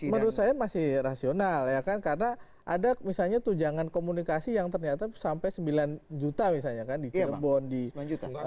menurut saya masih rasional ya kan karena ada misalnya tujangan komunikasi yang ternyata sampai sembilan juta misalnya kan di cirebon di tenggara